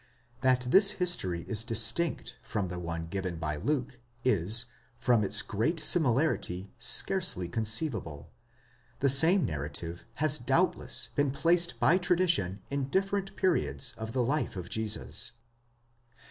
That this history is distinct from the one given by Luke, is, from its great similarity, scarcely conceivable ; the same narrative has doubtless been placed by tradition in different periods of the life of Jesus.??